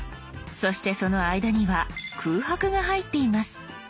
そしてその間には空白が入っています。